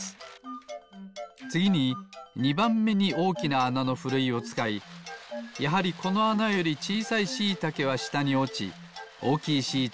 つぎに２ばんめにおおきなあなのふるいをつかいやはりこのあなよりちいさいしいたけはしたにおちおおきいしいたけがのこります。